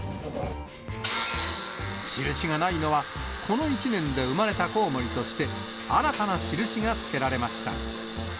印がないのは、この１年で生まれたコウモリとして、新たな印がつけられました。